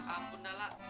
ampun dah lah